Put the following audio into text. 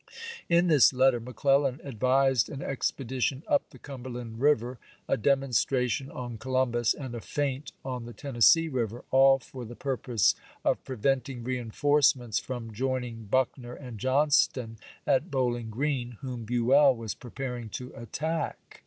In this letter McClellan advised an expedition up the Cumberland River, a. demonstration on Colum bus, and a feint on the Tennessee River, all for the t^ niiiS, purpose of preventing reenforcements from joining ^^ Vr.^^^' Buckner and Johnston at Bowling Green, whom pp?527, 528. Buell was preparing to attack.